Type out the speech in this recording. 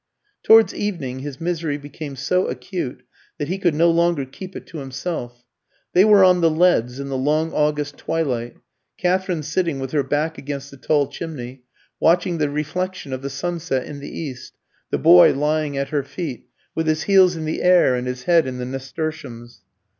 Towards evening his misery became so acute that he could no longer keep it to himself. They were on the leads, in the long August twilight, Katherine sitting with her back against the tall chimney, watching the reflection of the sunset in the east, the boy lying at her feet, with his heels in the air and his head in the nasturtiums.